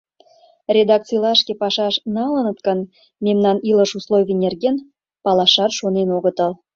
Редакцийлашке пашаш налыныт гын, мемнан илыш условий нерген палашат шонен огытыл.